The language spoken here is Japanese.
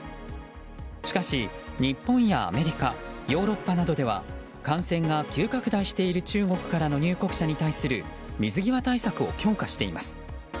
しかし日本やアメリカヨーロッパなどでは感染が急拡大している中国からの入国者に対する水際対策を強化しています。